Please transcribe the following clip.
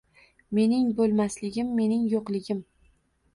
Mening bo‘lmasligim, mening yo‘qligim…